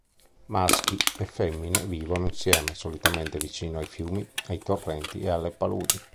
Maschi e femmine vivono insieme, solitamente vicino ai fiumi, ai torrenti e alle paludi.